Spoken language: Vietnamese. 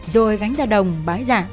rồi gánh ra đồng bái dạ